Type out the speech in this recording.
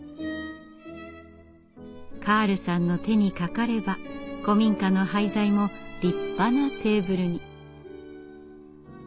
カールさんの手にかかれば古民家の廃材も立派なテーブルに。